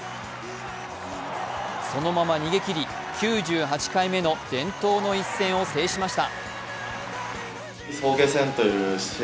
そのまま逃げきり９８回目の伝統の一戦を制しました。